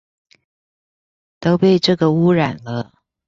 都被這個污染了